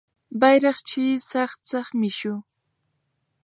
بیرغچی سخت زخمي سو.